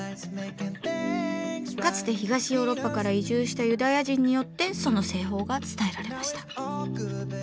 かつて東ヨーロッパから移住したユダヤ人によってその製法が伝えられました。